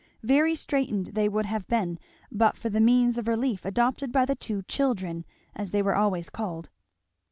Very straitened they would have been but for the means of relief adopted by the two children, as they were always called.